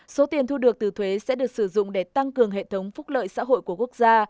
số tiền thu được từ thuế sẽ được sử dụng để tăng cường hệ thống phúc lợi xã hội của quốc gia